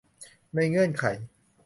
ในเงื่อนไข